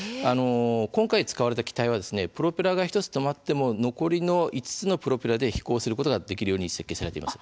今回使われた機体はプロペラが１つが止まっても、残りの５つのプロペラで飛行できるように設計されています。